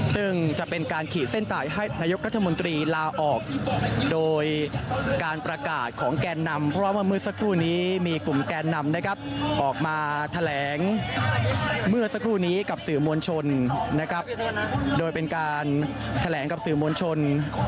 ซึ่งจะเป็นการขีดเส้นตายให้นายกรัฐมนตรีลาออกโดยการประกาศของแกนนำเพราะว่าเมื่อสักครู่นี้มีกลุ่มแกนนำนะครับออกมาแถลงเมื่อสักครู่นี้กับสื่อมวลชนนะครับโดยเป็นการแถลงกับสื่อมวลชน